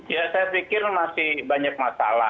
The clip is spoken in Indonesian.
ya saya pikir masih banyak masalah